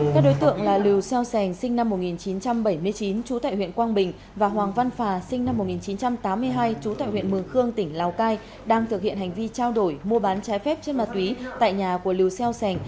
các đối tượng là lưu seo sành sinh năm một nghìn chín trăm bảy mươi chín trú tại huyện quang bình và hoàng văn phà sinh năm một nghìn chín trăm tám mươi hai trú tại huyện mường khương tỉnh lào cai đang thực hiện hành vi trao đổi mua bán trái phép trên ma túy tại nhà của lưu xeo sành